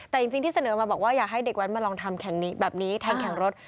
แต่จริงที่เสนอมาบอกว่าอยากให้เด็กแว้นมาลองทำแบบนี้แทนแข่งรถ